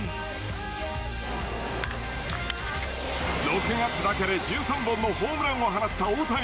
６月だけで１３本のホームランを放った大谷。